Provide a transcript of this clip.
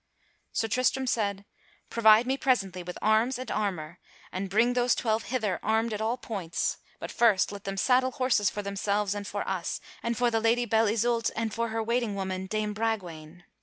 Sir Tristram said: "Provide me presently with arms and armor and bring those twelve hither armed at all points. But first let them saddle horses for themselves and for us, and for the Lady Belle Isoult and for her waiting woman, Dame Bragwaine.